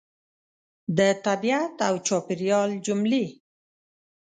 د طبیعت او چاپېریال جملې